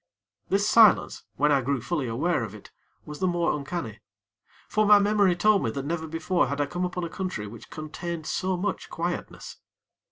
This silence, when I grew fully aware of it was the more uncanny; for my memory told me that never before had I come upon a country which contained so much quietness.